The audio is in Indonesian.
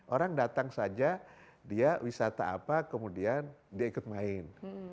orang datang saja dia wisata apa kemudian dia ikut main